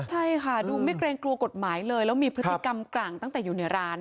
ใช่ค่ะดูไม่เกรงกลัวกฎหมายเลยแล้วมีพฤติกรรมกร่างตั้งแต่อยู่ในร้าน